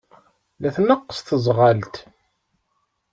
La tneqqes teẓɣelt.